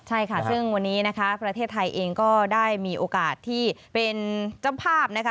ใช่ค่ะซึ่งวันนี้นะคะประเทศไทยเองก็ได้มีโอกาสที่เป็นเจ้าภาพนะคะ